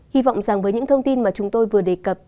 hy vọng rằng với những thông tin mà chúng tôi vừa đề cập